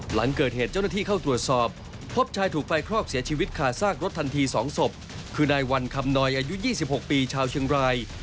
หลังเกิดเหตุเจ้าหน้าที่เข้าตรวจสอบพบชายถูกไฟคลอกเสียชีวิตคาซากรถทันที๒ศพคือนายวันคำนอยอายุ๒๖ปีชาวเชียงราย